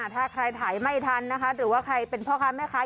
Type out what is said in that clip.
ถ้าใครถ่ายไม่ทันนะคะหรือว่าใครเป็นพ่อค้าแม่ค้า